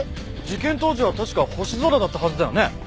事件当時は確か星空だったはずだよね。